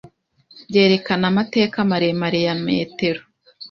byerekana amateka maremare ya metero